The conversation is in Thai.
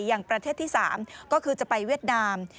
อย่างประเทศที่๓ก็คือจะไปเวียดนาม